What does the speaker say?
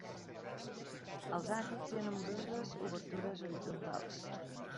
Als àtics hi ha nombroses obertures horitzontals.